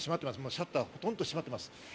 シャッター、ほとんど閉まっています。